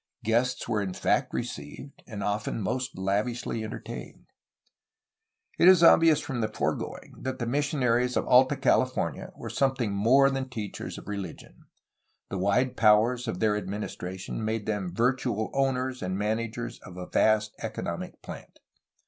Guests were in fact received, and often most lavishly entertained. It is obvious from the foregoing that the missionaries of Alta California were something more than teachers of re ligion. The wide powers of their administration made them virtual owners and managers of a vast economic plant.